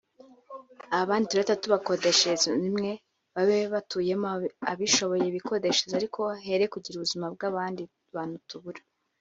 abandi turahita tubakodeshereza inzu imwe babe batuyemo abishoboye bikodeshereze ariko here kugira ubuzima bw’abandi bantu tubura